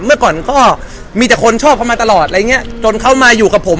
เมื่อก่อนก็มีแต่คนชอบเขามาตลอดอะไรอย่างเงี้ยจนเขามาอยู่กับผม